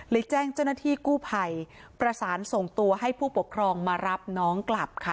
แจ้งเจ้าหน้าที่กู้ภัยประสานส่งตัวให้ผู้ปกครองมารับน้องกลับค่ะ